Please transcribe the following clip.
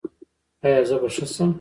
ایا زه به ښه شم؟